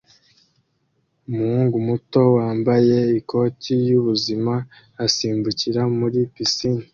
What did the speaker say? Umuhungu muto wambaye ikoti y'ubuzima asimbukira muri pisine